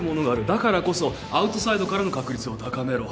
だからこそアウトサイドからの確率を高めろ。